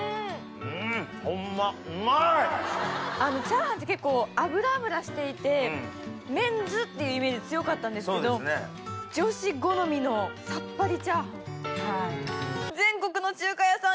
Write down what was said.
チャーハンって結構油油していてメンズっていうイメージ強かったんですけど女子好みのさっぱりチャーハン。